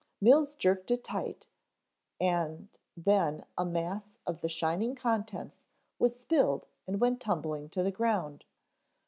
Mills jerked it tight and then a mass of the shining contents was spilled and went tumbling to the ground.